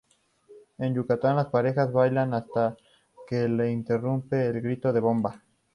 En Yucatán, "las parejas bailan hasta que las interrumpe el grito de ¡bomba!